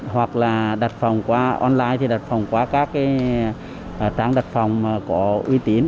hoặc là đặt phòng qua online thì đặt phòng qua các trang đặt phòng có uy tín